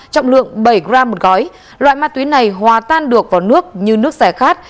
trọng lượng bảy g một gói loại ma túy này hòa tan được vào nước như nước sẻ khát